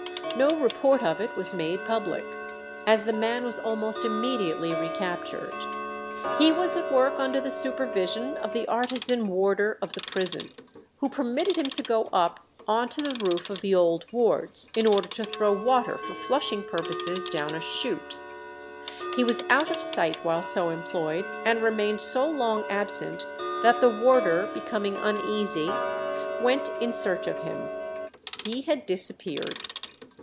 No report of it was made public, as the man was almost immediately recaptured. He was at work under the supervision of the artisan warder of the prison, who permitted him to go up on to the roof of the old wards, in order to throw water for flushing purposes down a shoot. He was out of sight while so employed, and remained so long absent that the warder, becoming uneasy, went in search of him. He had disappeared.